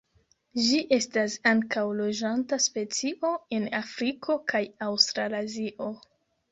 Ĝi estas ankaŭ loĝanta specio en Afriko kaj Aŭstralazio.